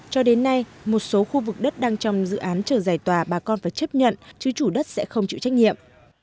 cho đến nay một số khu vực đất đang trong dự án chờ giải tòa bà con phải chấp nhận chứ chủ đất sẽ không chịu trách nhiệm